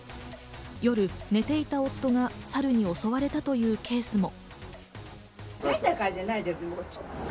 夜寝ていた夫がサルに襲われたというケースも。